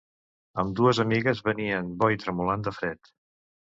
Ambdues amigues venien bo i tremolant de fred.